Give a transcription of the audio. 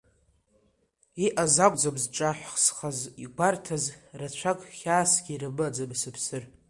Иҟаз акәӡам зҿаазхаз игәарҭаз, рацәак хьаасгьы ирымаӡам сыԥсыр.